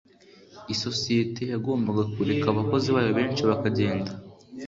Isosiyete yagombaga kureka abakozi bayo benshi bakagenda.